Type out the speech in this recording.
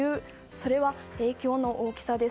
それは影響の大きさです。